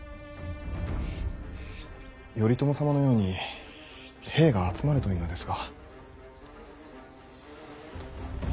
頼朝様のように兵が集まるといいのですが。